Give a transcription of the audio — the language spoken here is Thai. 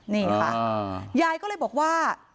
นี่ค่ะยายก็เลยบอกว่า